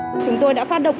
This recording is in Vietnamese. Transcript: và chúng tôi đã phát động